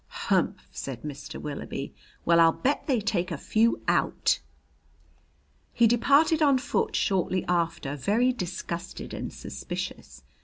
"Humph!" said Mr. Willoughby. "Well, I'll bet they take a few out!" He departed on foot shortly after, very disgusted and suspicious.